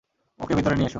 ওকে ভিতরে নিয়ে এসো।